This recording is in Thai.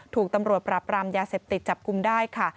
ถูกตำรวจปราบรามยาเสพติดจับกลุ่มได้ค่ะ